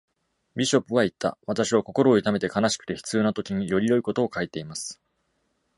ビショップは言った：私は心を痛めて悲しくて苦痛なときに、より良いことを書いています。